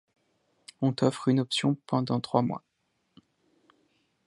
On t'offre une option pendant trois mois.